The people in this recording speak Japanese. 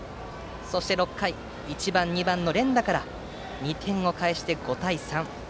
そして６回に１番、２番の連打で２点を返して、５対３。